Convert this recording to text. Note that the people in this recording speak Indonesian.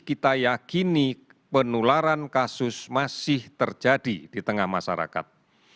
ini adalah gambaran gambaran yang masih kita yakini penularan kasus masih terjadi di tengah masyarakat